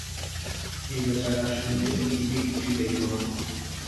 এই বেচারা সুন্দর পৃথিবীর কিছুই দেখল না।